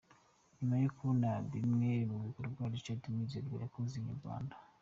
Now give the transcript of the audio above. Nyuma yo kubona bimwe mu bikorwa Richard Mwizerwa yakoze, Inyarwanda.